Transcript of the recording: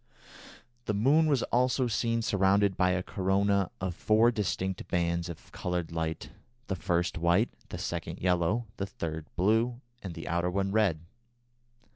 The moon was also seen surrounded by a corona of four distinct bands of coloured light, the first white, the second yellow, the third blue, and the outer one red.